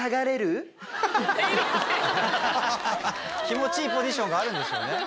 気持ちいいポジションがあるんですよね。